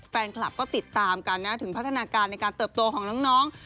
แฟนคลับก็ติดตามกันนะถึงพัฒนาการในการเติบโตของน้อง